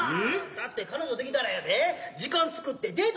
だって彼女できたらやで時間作ってデート